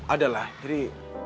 ada lah jadi